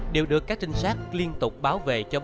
đều được các trinh sát liên tục bảo vệ